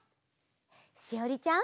しおりちゃん。